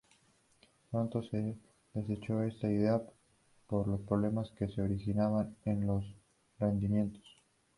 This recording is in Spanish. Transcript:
Pronto se desechó esta idea por los problemas que se originaban en los rendimientos.